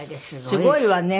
すごいわね。